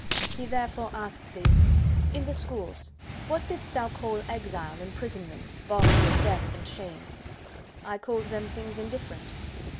He therefore asks thee:— "In the Schools, what didst thou call exile, imprisonment, bonds, death and shame?" "I called them things indifferent."